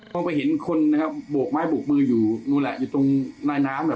พอไปเห็นคนบวกไม้บวกมืออยู่นู่นแหละอยู่ตรงนายน้ำ